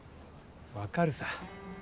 わかるさ。